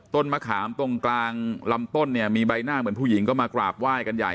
มะขามตรงกลางลำต้นเนี่ยมีใบหน้าเหมือนผู้หญิงก็มากราบไหว้กันใหญ่